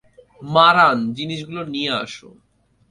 মারান, জিনিসগুলো নিয়ে আসো।